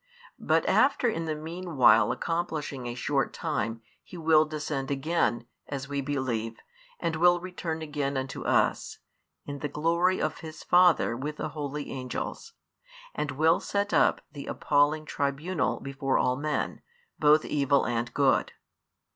But after in the meanwhile accomplishing a short time, He will descend again, as we believe, and will return again unto us, in the glory of His Father with the Holy Angels, and will set up the appalling tribunal before all men, both evil and good.